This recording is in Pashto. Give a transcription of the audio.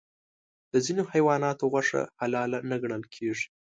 د ځینې حیواناتو غوښه حلال نه ګڼل کېږي.